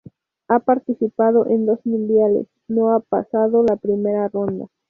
Ha participado en dos mundiales, no ha pasado la primera ronda.